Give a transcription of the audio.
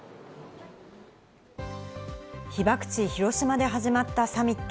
被爆地・広島で始まったサミット。